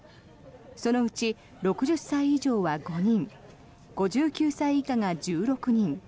そのうち、６０歳以上は５人５９歳以下が１６人。